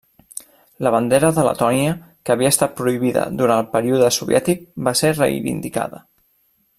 La bandera de Letònia, que havia estat prohibida durant el període soviètic va ser reivindicada.